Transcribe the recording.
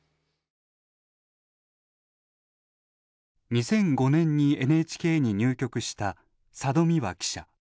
２００５年にＮＨＫに入局した佐戸未和記者。